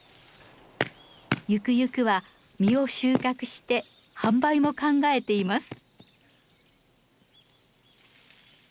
ゆくゆくは実を収穫して販売も考えています。